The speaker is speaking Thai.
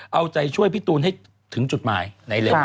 เอาใจช่วยพี่ตูนให้ถึงจุดหมายในเร็วนี้